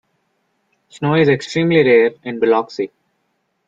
Snow is extremely rare in Biloxi.